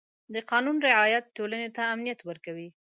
د قانون رعایت ټولنې ته امنیت ورکوي.